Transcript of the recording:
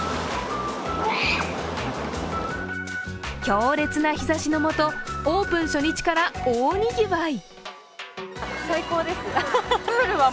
強烈な日ざしのもとオープン初日から大にぎわい。